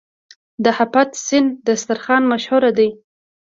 د هفت سین دسترخان مشهور دی.